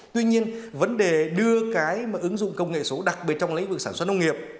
tuy nhiên vấn đề đưa cái mà ứng dụng công nghệ số đặc biệt trong lĩnh vực sản xuất nông nghiệp